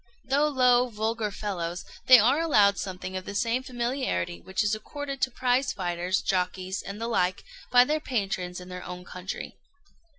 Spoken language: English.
Though low, vulgar fellows, they are allowed something of the same familiarity which is accorded to prize fighters, jockeys, and the like, by their patrons in our own country.